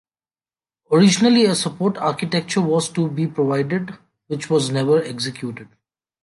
Originally a supporting architecture was to be provided, which was never executed.